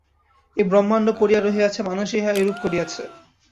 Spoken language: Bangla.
এই ব্রহ্মাণ্ড পড়িয়া রহিয়াছে, মানুষই ইহা এরূপ করিয়াছে।